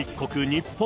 日本。